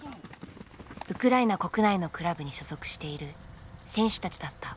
ウクライナ国内のクラブに所属している選手たちだった。